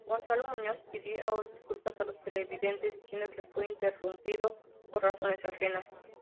Gonzalo Núñez pidió disculpas a los televidentes diciendo que fue interrumpido por razones ajenas.